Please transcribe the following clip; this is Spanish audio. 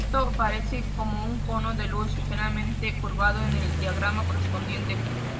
Esto aparecerá como un cono de luz ligeramente curvado en el diagrama correspondiente.